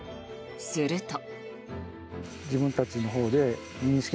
すると。